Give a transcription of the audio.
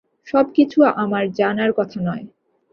সব কিছু আমার জানার কথা নয়।